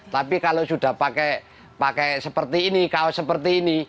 tapi kalau sudah pakai seperti ini kaos seperti ini